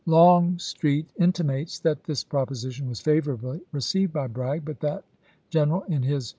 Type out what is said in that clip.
Longstreet intimates that this proposition was favorably received by Bragg; but that general in his Vol.